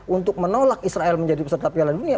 untuk menolak israel menjadi peserta piala dunia